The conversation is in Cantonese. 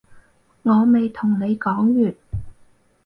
我未同你講完